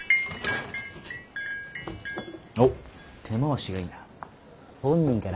おっ手回しがいいな。